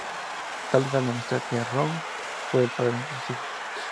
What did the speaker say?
Tal era la amistad que Röhm fue el padrino de sus hijos.